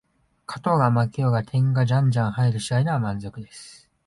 勝とうが負けようが点がじゃんじゃん入る試合なら満足です